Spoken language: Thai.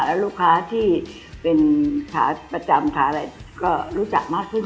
แล้วลูกค้าที่เป็นขาประจำขาอะไรก็รู้จักมากขึ้น